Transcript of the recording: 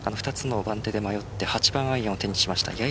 ２つの番手で迷って８番アイアンを手にしました。